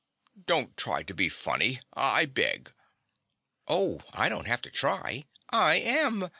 "Don't try to be funny, I beg." "Oh, I don't have to try, I am!"